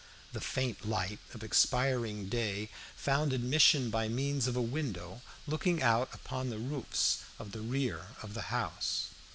The faint light of expiring day found admission by means of a window looking out upon the roofs to the rear of the house.